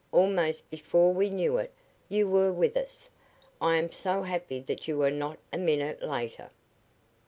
Almost before we knew it you were with us. I am so happy that you were not a minute later."